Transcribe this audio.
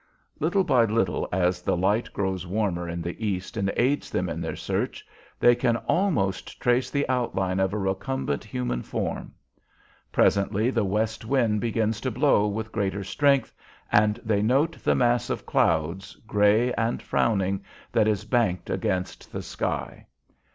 Little by little as the light grows warmer in the east and aids them in their search, they can almost trace the outline of a recumbent human form. Presently the west wind begins to blow with greater strength, and they note the mass of clouds, gray and frowning, that is banked against the sky.